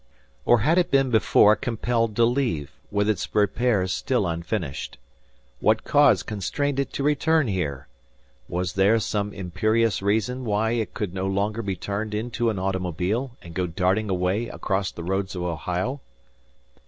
Or had it been before compelled to leave, with its repairs still unfinished? What cause constrained it to return here? Was there some imperious reason why it could no longer be turned into an automobile, and go darting away across the roads of Ohio?